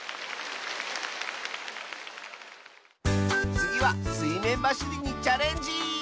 つぎはすいめんばしりにチャレンジ！